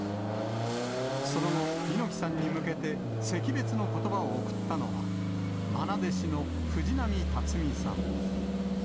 その後、猪木さんに向けて、惜別のことばを送ったのは、まな弟子の藤波辰爾さん。